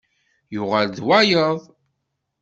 Yuɣal d wayeḍ.